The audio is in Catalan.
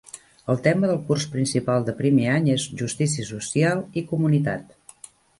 El tema del curs principal de primer any és "Justícia Social i Comunitat".